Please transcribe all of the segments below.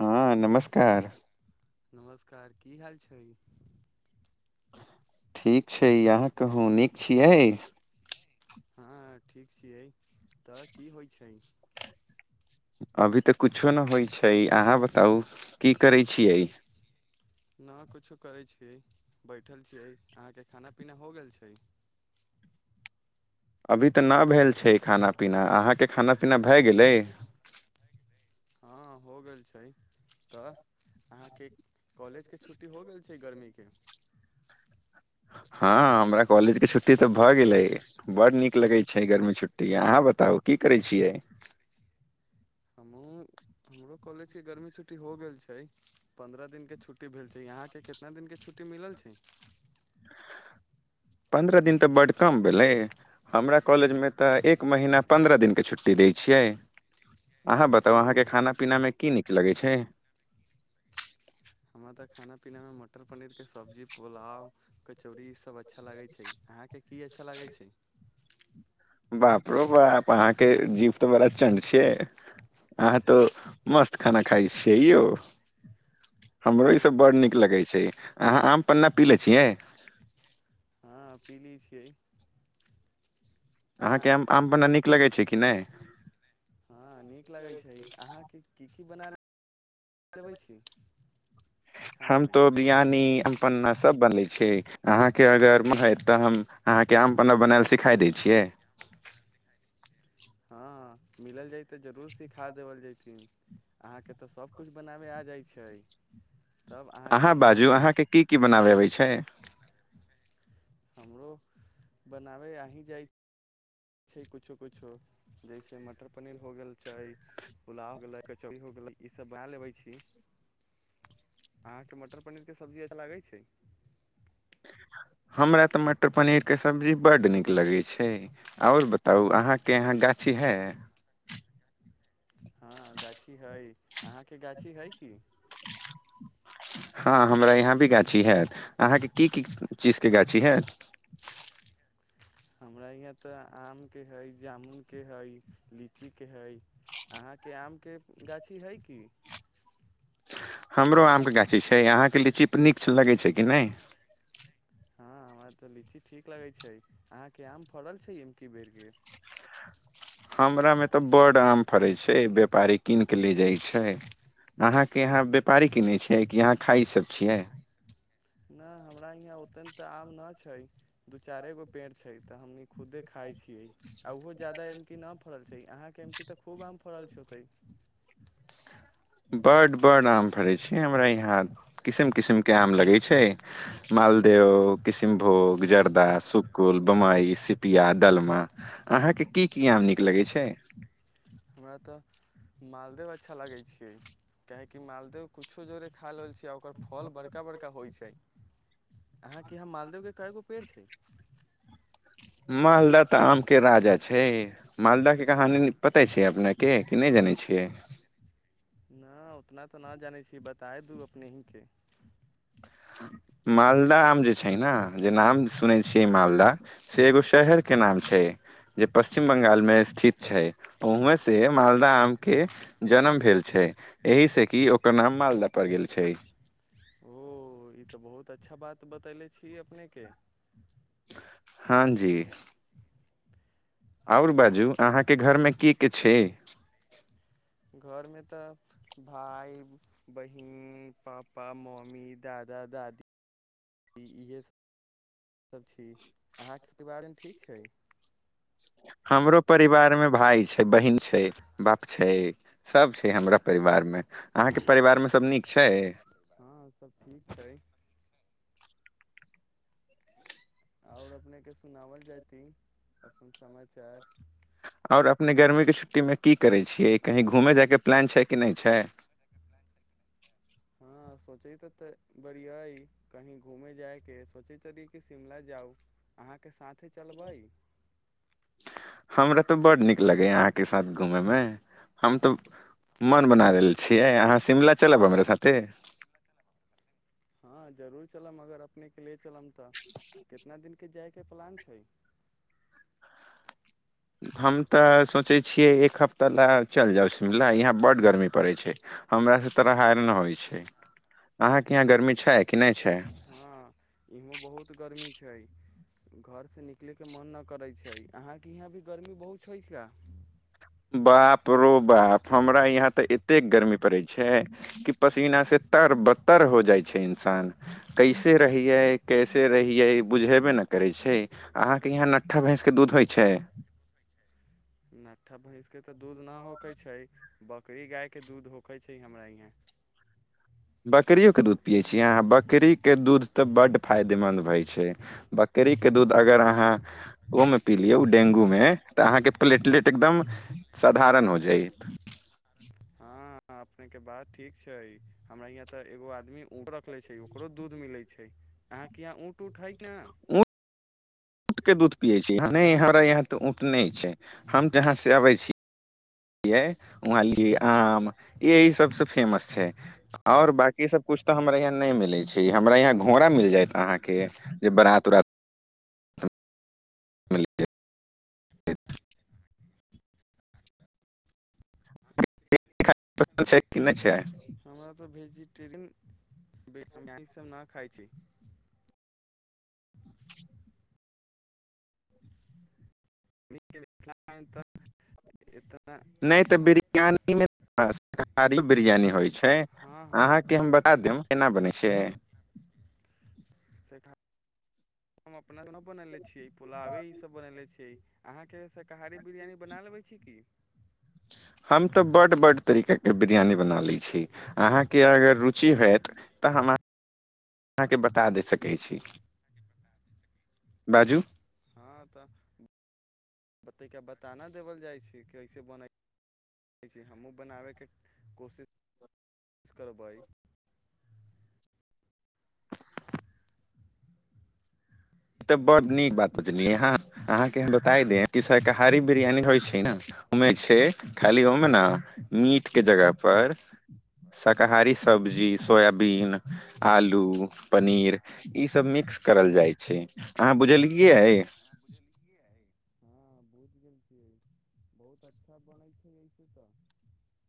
हँ नमस्कार नमस्कार की हाल छै ठीक छै अहाँ कहूँ नीक छियै हँ ठीक छियै तऽ की होइ छै अभी तऽ कछो नहि होइ छै अहाँ बताउ की करै छियै नहि किछो करै छियै बैठल छियै अहाँके खाना पीना हो गेल छै अभी तऽ नहि भेल छै खाना पीना अहाँके खाना पीना भए गेलै हँ हो गेल छै तऽ अहाँके कॉलेजके छुट्टी हो गेल छै गर्मीके हँ हमरा कॉलेजके छुट्टी तऽ भऽ गेलै बड्ड नीक लगैत छै गर्मी छुट्टी अहाँ बताउ की करैत छियै हमू हमरो कॉलेज के गर्मी छुट्टी हो गेल छै पन्द्रह दिनक के छुट्टी भेल छै यहााँ के कितना दिनक के छुट्टी मिलल छै पन्द्रह दिन तऽ बड्ड कम भेलै हमरा कॉलेजमे तऽ एक महीना पन्द्रह दिनके छुट्टी दै छियै अहाँ बताउ ओ अहाँके खाना पीनामे की नीक लगै छै पनिर के सब्जी पुलाउ कचौड़ी सभ सब अच्छा लगै छै अहाँके की अच्छा लगै छै बाप रो बाप अहाँके जीव तऽ बड़ा चणड छियै अहाँ तो मस्त खाना खाइ छियै यौ हँ हमरो ईसभ बड़ नीक लगै छै अहाँ आम पन्ना पी ले छियै पीली छियै अहाँ अहाँके आम आम बना नीक लगैत छै कि नहि हँ नीक लगै छै अहाँके की की बनाल हम खानामे तो बिरयानी अहाँ सब बनबै छि अहाँ कें हम बनल बनल सीखाय दै छिय हँ मिलल जय तऽ जरूर सिखा देल जयथिन अहाँके तऽ सभकिछ बनाबे आ जाइत छै तब अहाँके अहाँ मटर बाजू अहाँके की की बनाबय अबै छै हमरो बनाबै अही जाइ छी छै किछो किछो जैसे मटर पनीर हो गेल छै पुलाव हो गेलै कचौड़ी हो गेलै ईसभ बना लेबै छी अहाँके मटर पनीरके सब्जी अच्छा लागै छै हमरा तऽ मटर पनीरके सब्जी बड्ड नीक लगैत छै आओर बताउ अहाँके यहाँ गाछी हए हँ गाछी हइ अहाँके गाछी हइ की हँ हमरा यहाँ भी गाछी हत अहाँके की की चीजके गाछी हत हमरा यहाँ तऽ आमके हइ जामुनके हइ लीचीके हइ अहाँके आमके गाछी हइ की हमरो आमके गाछी छै अहाँके लीची नीक लगै छै कि नहि हँ हमरा तऽ लीची ठीक लगै छै अहाँके आम फड़ल छै एमे की बेर के हमरामे तऽ बड्ड आम फड़ै छै व्यापारी कीन कऽ ले जाइत छै अहाँके यहाँ व्यापारी कीनै छियै कि यहाँ खाइसभ छियै न हमरा यहाँ ओते तऽ आम न छै दू चारे गो पेड़ छै तऽ हमनी खुदे खााय छियै आ ओहो ज जादा एमकी न फरल छै अहाँ के एमी त खूब आम फल छै ओ तै बड बड आम फरै छी हमरा यहाँ किसिम किसिमके आम लगै छै मालदेह किशनभोग जर्दा सुकुल बमबई सिपिया दलमा अहाँके की की आम नीक लगै छै हमरा तऽ मालदे अच्छा लगैत छैियै कियेकि मालदेव किुछो जोरे खा ल छी कि ओकर फल बड़का बड़का होइत छै अहाँके हम मालदेवके कए गो पेड़ छै मालदाह तऽ आमके राजा छै मालदह के कहानी पताे छै अपने के कि नहि जानै छियै नहि उतना तऽ नहि जानै छी बताय दू अपने ही के मालदा आम जे छै ने जे नाम सुनै छियै मालददा से एगो शहरके नाम छै जे पश्चछिम ब्ंगालमे स्थित छै उवँसँ मालदा आमके जन्म भेल छै एहिसँ कि ओकर नाम मालदा पड़ि गेल छै ओ ई तऽ बहुत अच्छा बात तऽ बतैले छी अपने के हँ जी आओर बाजू अहाँके घरमे की की छै [inaudible] घरमे तऽ भाय बहिन पापा मम्मी दादा दादी इहसभ सभ छी अहाँके सभके बारेमे ठीक छै हमरो परिवार मे भाय छै बहिन छै बाप छै सब छै हमरा परिवार मे अहाँके परिवार मे सब नीक छै हँ सब ठीक छै आओर अपनेके सुनावल जयती अपन समाचार आओर अपने गर्मीके छुट्टीमे की करै छियै कहीँ घूमय जायके प्लान छै कि नहि छै हँ सोचै त तऽ बड़ियइ कहीं घूमे जायके सोचै छल र कि शिमला जाउ अहाँके साथेी चलबै हमरा तऽ बड नीक लगेा अहाँके साथ घूमे मे हम तऽ मन बना रहल छियै अहाँ शिमला चलब हमरा साथे हँ जरूर चला मगर अपने के लए कलमता कितना दिन के जायके के प्लान छै हम तऽ सोचै छियै एक हफ्ता लए चलि जाउ सुझल यहाँ बड्ड गर्मी पड़ैत छै हमरास से तऽराार नहि होइ छै अहाँके यहाँ गर्मी छै कि नहि छै हँ इहो बहुत गर्मी छै घरसँ निकलयके मन न करैत छै अहाँके यहाँ भी गर्मी बहुत छै छल बाप रो बाप हमरा यहाँ तऽ एतेक गर्मी पड़ै छै कि पसीनासँ तर बतर हो जाइ छै इंसान कैसे रहियै कैसे रहियै बुझेबे ने करै छै अहाँके यहाँ नट्ठा भैँंसके दूध होइ छै नठा भैंस के तऽ दूध न होक छै बकरी गायके दूध होकै छै हमरा यहाँ बकरियोकके दूध पियै छीयै अहाँ बकरीके दूध तऽ बड्ड फायदेमन्द होइत छै बकरी करीके दूध हँ अगर अहाँ ओहिमे पी लियै ओ डेंगूमे तऽ अहाँके प्लेटलेट एकदम साधारण हो जायत हँ अपने के बात ठीक छै हमरा यहाँ तऽ एगो आदमी ऊंट रखले छै ओकरो दूध मिले छै अहाँके यहाँ ऊंट ऊंट है न ऊँटके दूध पियै छै नहि हमरा यहाँ तऽ ऊँट नहि छै हम तऽ यहाँसँ अबै छीै वहाँ ली आम यही सभसँ फेमस छै आओर बाँकी सभकिछु तऽ हमरा यहाँ नहि मिलै छै हमरा यहाँ घोड़ा मिल जायत अहाँके जे बारात उराात ल- एखन पसन्द छै कि नहि छै देखु इ सब ना खाई छि ए त नहि तऽ बिरयानी ईमे ह शाकारी बिरियानी होइ छै हँ हँ अहाँके हम बता देब केना बनै छैै [inaudible] हम अपना बनले छियै पुलावे ई सब बनेले छै अहाँके कहारी बिरयानी बना ले छी की हम तर बड तरीका कें बिरयानी बना लैय छि बाजु हँ तऽतैा बताना देबल जाइ छै कैसे बनैै छै हमहूँ बनाबयके कोशिश कोि करबै ई तऽ ब्ड नीक बात बतलियै ह अहाँके हम बता दे शाकाहारी बिरियानी होइ छै ने उमे छै खाली मे ने मीट के जगह पर शाकाहारी सब्जी सोयाबीन आलू पनीर ई सब मिक्स करल जाय छै बुझलिय अय हँ बुझ गेल छियै बहुत अच्छा बनै छै तऽ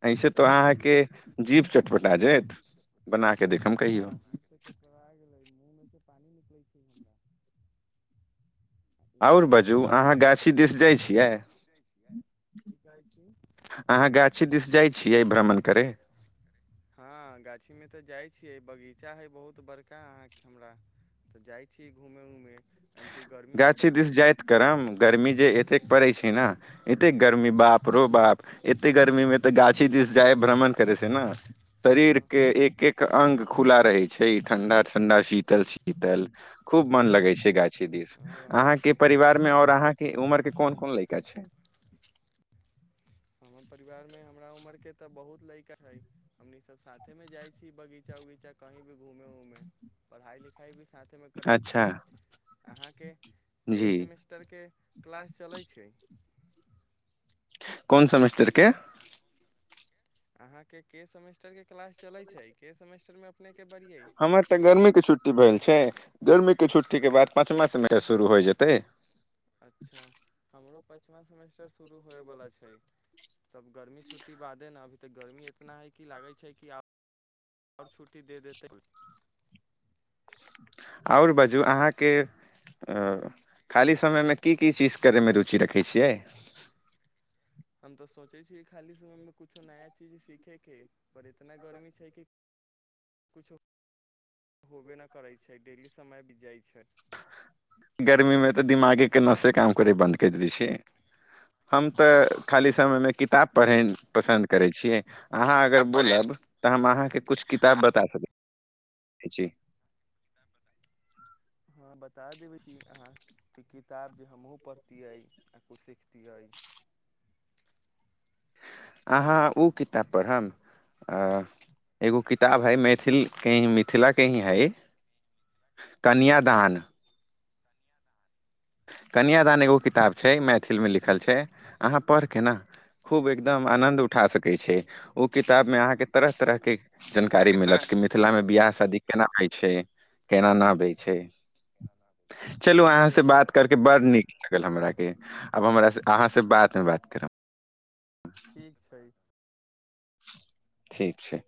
हँ ऐसे तऽ अहाँके गिफ्ट जीभ चटपटा जायत आ बना के देखम कहियो गेलिए मुह मे से पानि निकलै छै हमरा आओर बाजू अहाँ गाछी दिस जाइ छियै कह अहाँ गाछी दिस जाइ छियै भ्रमण करे हँ गाछीमे तऽ जाइ बगीचा है बहुत बड़का अहाँ के हमरा तऽ जाय छी घूमे उऊमे गाछ दिस जायत करम गर्मी जे एतेक पड़ै छै ह ने एते गर्मी बाप रो बाप एते गर्मी में ते गाछी दिस जाय भ्रमण करे से ने शरीर हँ के एक एक अंग खुला रहे छै ई ठंडा ठंडा शीतल शीतल खूब मन लगे छै गाछी छै दिस हँ अहाँके परिवार मे आओर अहाँ कें उमर कें कोनकोन लड़का छै परिवार मे हमरा उमर के तऽ बहुत लैा ह हमनी सब साथे में जाइ छी बगीचा उगीचा कहीं भी घूमे उमे पढ़ाई लिखाई भी साथेमे करै अच्छा छियै अहाँके के जी सेमेस्टर के क्लास चलै छै कोन सेमेस्टरके अहाँ के के सेमेस्टर के क्लास चले छै के सेमेस्टर मे अपने हमर तऽ गर्मी के छुट्टी भेल छै जर्मीके छुट्टीके बाद पाँचमा समे तऽ शुरू होइ जेतै अच्छा हमरो प प सेमेस्टर शुरू होएवला छै तब गर्मी छुट्टी बादे ने अभी तऽ गर्मी इतना है कि लागै छै कि आब आओर छुट्टी दे देतै आओर बाजू अहाँके खाली समयमे की की चीज करयमे रुचि रखै छियै हम तऽ सोचै छी खाली समय मे कुछो नया चीज सीखे के पर इतना गर्मी छै कि कछो होबे न करै छै डेली समय बी जाइ छै गर्मी मे तऽ दिमागे कें नसे काम केरे बन्द कए दे छै हम तऽ खाली समय मे किताब पढ़ै पसन्द करै छियै अहाँ अगर बोलब तऽ हम अहाँके कछ किताब बता सकी जी हँ बता देबै क अहाँ कि किताब जे हमहूँ पढ़तिियै आ किछ सिखतिियै अहाँ ओ किताब पढ़म एगो किताब हइ मैथिलके ही मिथिलाके ही हइ कन्यादान कन्यादान एगो किताब छै मैथिलमे लिखल छै अहाँ पढ़ि कऽ ने खूब एकदम आनन्द उठा सकै छी ओ किताबमे अहाँके तरह तरहके जानकारी मिलत कि मिथिला मे बियाह शदी केना होइ छै केना नबै छै हँ चलू हम अहाँ से जरूर बात करके बड़ नीक लागल हमराके आब हमर अहाँसँ बातमे बात करब ठीक छै ठीक छै